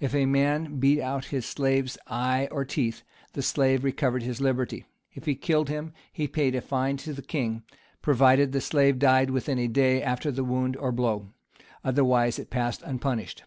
If a man beat out his slave's eye or teeth, the slave recovered his liberty:[] if he killed him, he paid a fine to the king, provided the slave died within a day after the wound or blow; otherwise it passed unpunished.